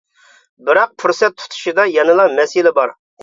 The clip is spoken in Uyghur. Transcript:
بىراق پۇرسەت تۇتۇشىدا يەنىلا مەسىلە بار.